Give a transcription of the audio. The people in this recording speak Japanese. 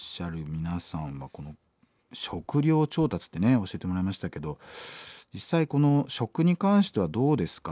皆さんはこの食料調達ってね教えてもらいましたけど実際この食に関してはどうですか？